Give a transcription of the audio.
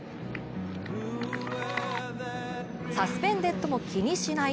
サスペンデッドも気にしない。